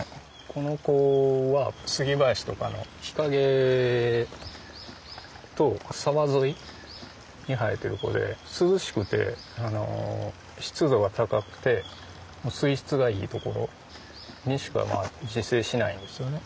この子は杉林とかの日陰と沢沿いに生えてる子で涼しくて湿度が高くて水質がいいところにしか自生しないんですよね。